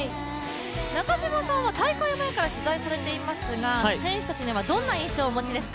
中島さんは大会前から取材されていますが、選手たちにはどんな印象をお持ちですか？